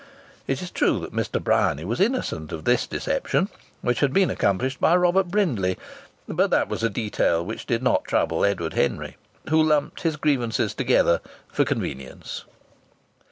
It is true that Mr. Bryany was innocent of this deception, which had been accomplished by Robert Brindley, but that was a detail which did not trouble Edward Henry, who lumped his grievances together for convenience.